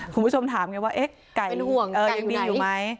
คุณผู้ชมถามอย่างงี้ว่าเอ๊ะไก่เป็นห่วงไก่อยู่ไหนเออยังดีอยู่ไหม